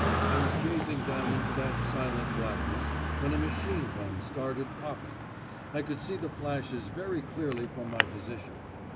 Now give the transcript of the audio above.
I was gazing down into that silent blackness, when a machine gun started popping; I could see the flashes very clearly from my position.